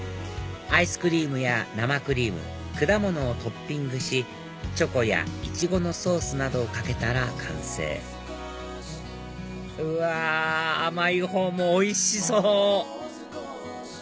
アイスクリームや生クリーム果物をトッピングしチョコやイチゴのソースなどをかけたら完成うわ甘いほうもおいしそう！